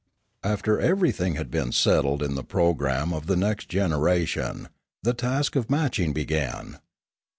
After everything had been settled in the programme of the next generation, the task of matching began.